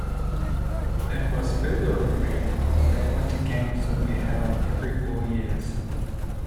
It was further agreed that Winter Games would be held every four years.